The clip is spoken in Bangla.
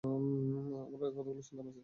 আপনার কতগুলো সন্তান আছে?